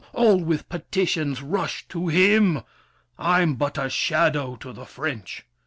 All with petitions rush To him! I'm but a shadow to the French!